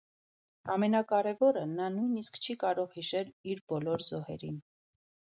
Ամենակարևորը, նա նույնիսկ չի կարող հիշել իր բոլոր զոհերին։